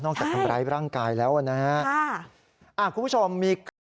นอกจากทำร้ายร่างกายแล้วนะครับคุณผู้ชมมี